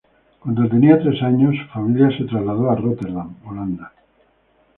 Cuando tenía tres años, su familia se trasladó a Rotterdam, Holanda.